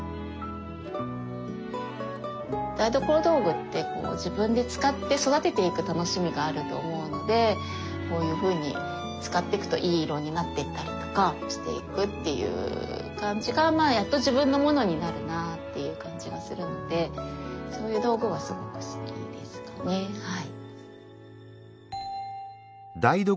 台所道具ってこうこういうふうに使っていくといい色になっていったりとかしていくっていう感じがまあやっと自分のものになるなあっていう感じがするのでそういう道具はすごく好きですかねはい。